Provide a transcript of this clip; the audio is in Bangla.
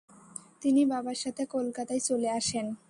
তিনি বাবার সাথে কলকাতায় চলে আসেন।